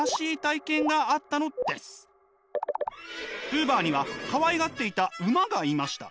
ブーバーにはかわいがっていた馬がいました。